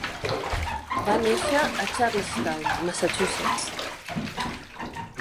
Va nàixer a Charlestown, Massachusetts.